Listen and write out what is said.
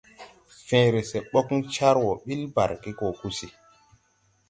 Fęęre sɛ bogn car wɔ bil barge gɔ gùsi.